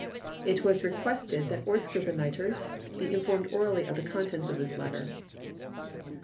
It was requested that Ortsgruppenleiters be informed orally of the contents of this letter.